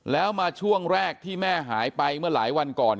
แล้วมาช่วงแรกที่แม่หายไปเมื่อหลายวันก่อน